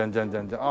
ああ！